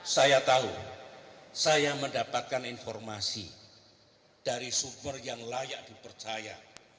saya tahu saya mendapatkan informasi dari sumber yang layak dipercaya